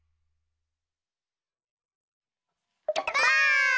ばあっ！